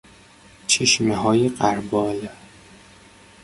چشمههای غربال